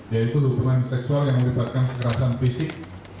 yaitu hubungan seksual yang melibatkan kekerasan fisik